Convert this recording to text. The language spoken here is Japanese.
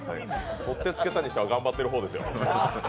とってつけたにしては頑張ってる方ですよ。